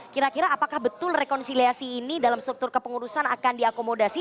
kira kira apakah betul rekonsiliasi ini dalam struktur kepengurusan akan diakomodasi